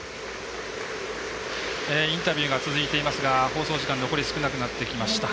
インタビューが続いていますが、放送時間残り少なくなってきました。